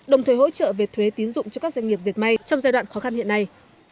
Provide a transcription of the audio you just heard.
đồng thời hỗ trợ về thuế tín dụng cho các doanh nghiệp diệt may trong giai đoạn khó khăn hiện nay